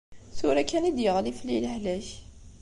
Tura kan i d-yeɣli fell-i lehlak.